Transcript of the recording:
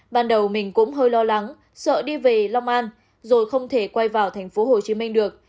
ban đầu mình cũng hơi lo lắng sợ đi về long an rồi không thể quay vào tp hcm được